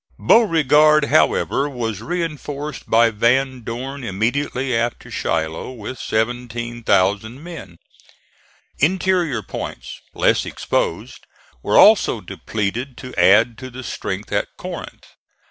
Beauregard, however, was reinforced by Van Dorn immediately after Shiloh with 17,000 men. Interior points, less exposed, were also depleted to add to the strength at Corinth.